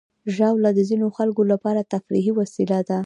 ژاوله د ځینو خلکو لپاره تفریحي وسیله ده.